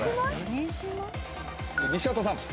西畑さん。